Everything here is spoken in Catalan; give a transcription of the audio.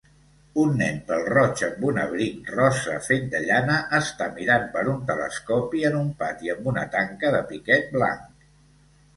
Un nen pèl roig amb un abric rosa fet de llana està mirant per un telescopi en un pati amb una tanca de piquet blanc.